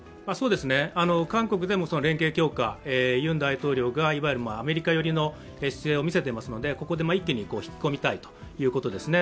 韓国でも連携強化、ユン大統領がアメリカ寄りの姿勢を見せていますのでここで一気に引き込みたいということですね。